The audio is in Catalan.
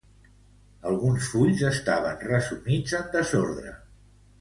Alguns fulls estaven resumits en desordre.